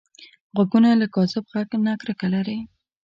غوږونه له کاذب غږ نه کرکه لري